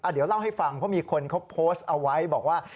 เดี๋ยวเล่าให้ฟังเพราะมีคนเขาโพสต์เอาไว้บอกว่า